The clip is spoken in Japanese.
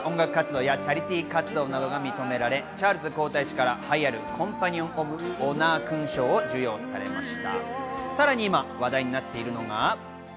今月１０日、音楽活動やチャリティー活動などが認められ、チャールズ皇太子から栄えあるコンパニオン・オブ・オナー勲章を授与されました。